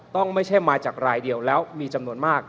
ไม่ใช่มาจากรายเดียวแล้วมีจำนวนมาก